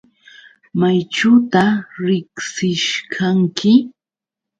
¿Mayćhuta riqsishqanki?